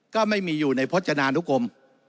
ก็ไม่มีอยู่ในพจนานุกรม